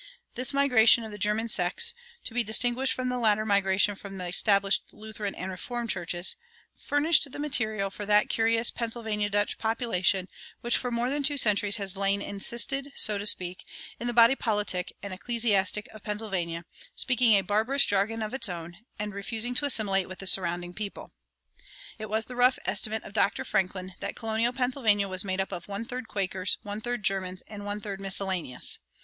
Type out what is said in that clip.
This migration of the German sects (to be distinguished from the later migration from the established Lutheran and Reformed churches) furnished the material for that curious "Pennsylvania Dutch" population which for more than two centuries has lain encysted, so to speak, in the body politic and ecclesiastic of Pennsylvania, speaking a barbarous jargon of its own, and refusing to assimilate with the surrounding people. It was the rough estimate of Dr. Franklin that colonial Pennsylvania was made up of one third Quakers, one third Germans, and one third miscellaneous.